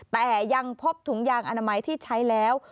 แต่ยังพบถุงยางอนามัยที่ใช้แล้ว